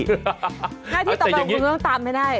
หน้าที่ต่อไปคุณต้องตามให้ได้